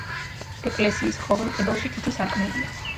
ეკლესიის ყოველ კედელში თითო სარკმელია.